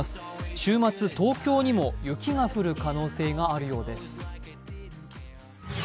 週末、東京にも雪が降る可能性があるようです。